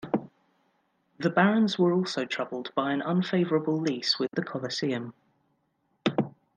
The Barons were also troubled by an unfavorable lease with the coliseum.